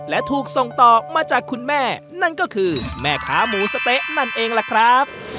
และถูกส่งต่อมาจากคุณแม่นั่นก็คือแม่ค้าหมูสะเต๊ะนั่นเองล่ะครับ